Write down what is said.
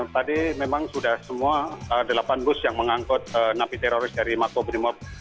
tadi memang sudah semua delapan bus yang mengangkut napi teroris dari makobrimob